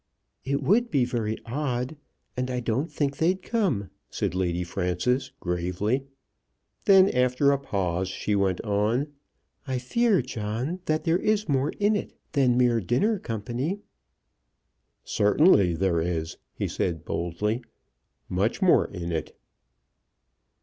"It would be very odd, and I don't think they'd come," said Lady Frances, gravely. Then after a pause she went on. "I fear, John, that there is more in it than mere dinner company." "Certainly there is," he said boldly; "much more in it."